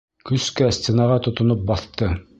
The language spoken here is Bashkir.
Көскә стенаға тотоноп баҫты.